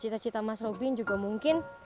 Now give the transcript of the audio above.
cita cita mas robin juga mungkin